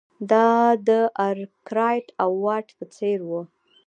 دا د ارکرایټ او واټ په څېر وو.